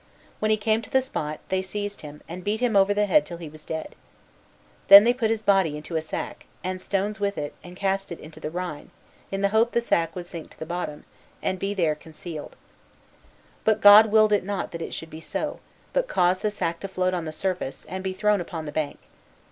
When he came to the spot, they seized him, and beat him over the head till he was dead. Then they put his body into a sack, and stones with it, and cast it into the Rhine, in the hope the sack would sink to the bottom, and be there concealed. But God willed not that it should be so, but caused the sack to float on the surface, and be thrown upon the bank.